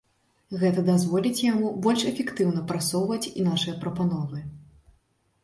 Гэта дазволіць яму больш эфектыўна прасоўваць нашыя прапановы.